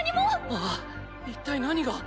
ああ一体何が。